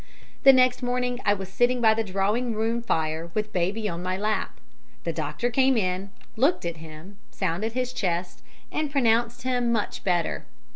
"The next morning I was sitting by the drawing room fire with baby on my lap. The doctor came in, looked at him, sounded his chest, and pronounced him much better.